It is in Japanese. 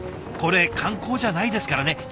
これ観光じゃないですからね